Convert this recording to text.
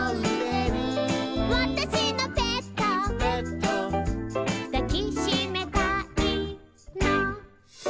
「わたしのペット」「ペット」「だきしめたいの」